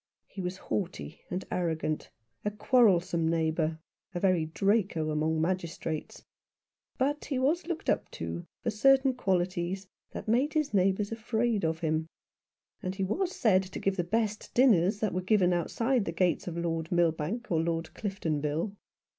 He was haughty and arrogant, a quarrelsome neighbour, a very Draco among magistrates ; but he was looked up to for certain qualities that made his neighbours afraid of him ; and he was said to give the best dinners that were given outside the gates of Lord Milbank or Lord Cliftonville.